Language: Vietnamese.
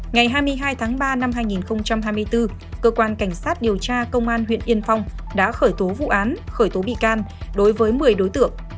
ngày hai mươi hai tháng ba năm hai nghìn hai mươi bốn cơ quan cảnh sát điều tra công an huyện yên phong đã khởi tố vụ án khởi tố bị can đối với một mươi đối tượng